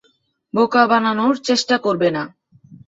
বোকা বানানোর চেষ্টা করবে না।